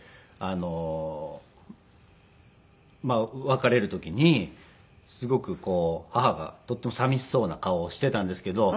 別れる時にすごくこう母がとてもさみしそうな顔をしていたんですけど。